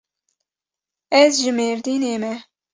Ez ji Mêrdînê me.